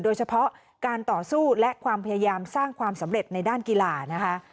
โดยเฉพาะการต่อสู้และความพยายามสร้างความสำเร็จในด้านกีฬานะคะ